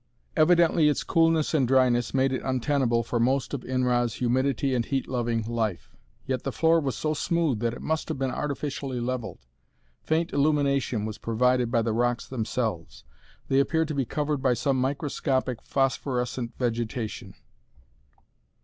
Evidently its coolness and dryness made it untenable for most of Inra's humidity and heat loving life. Yet the floor was so smooth that it must have been artificially leveled. Faint illumination was provided by the rocks themselves. They appeared to be covered by some microscopic phosphorescent vegetation.